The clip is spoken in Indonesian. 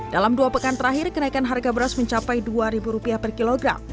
dalam dua pekan terakhir kenaikan harga beras mencapai rp dua per kilogram